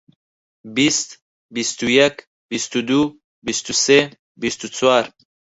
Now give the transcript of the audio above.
بیست، بیست و یەک، بیست و دوو، بیست و سێ، بیست و چوار.